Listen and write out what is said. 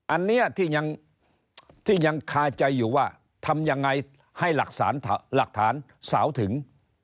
อันนี้ที่ยังคาใจอยู่ว่าทำยังไงให้หลักฐานสาวถึง